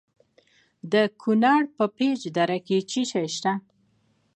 د کونړ په پيچ دره کې څه شی شته؟